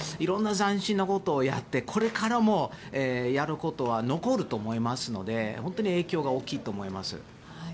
色んな斬新なことをやってこれからも、やることは残ると思いますので本当に影響が大きいと思います。